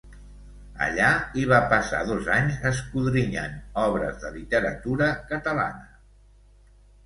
Allà hi va passar dos anys escodrinyant obres de literatura catalana.